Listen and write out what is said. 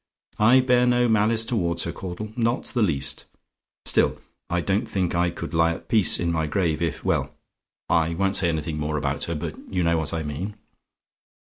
I bear no malice towards her, Caudle, not the least. Still, I don't think I could lie at peace in my grave if well, I won't say anything more about her; but you know what I mean.